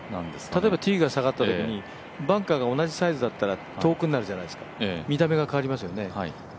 例えばティーが下がったときにバンカーが同じサイズだったら遠くなるじゃないですか、見た目が変わりますよね。